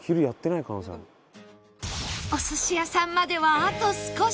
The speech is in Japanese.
お寿司屋さんまではあと少し